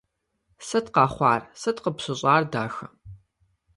Сыт къэхъуар, сыт къыпщыщӏар, дахэ?